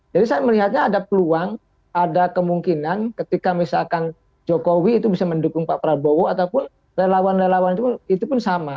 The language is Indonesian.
saya melihatnya ada peluang ada kemungkinan ketika misalkan jokowi itu bisa mendukung pak prabowo ataupun relawan relawan itu pun sama